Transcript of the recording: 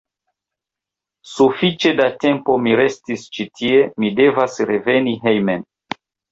Sufiĉe da tempo mi restis ĉi tie, mi devas reveni hejmen.